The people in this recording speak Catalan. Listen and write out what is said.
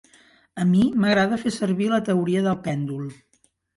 A mi m’agrada fer servir la teoria del pèndol.